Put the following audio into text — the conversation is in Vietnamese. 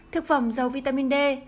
thực phẩm dầu vitamin d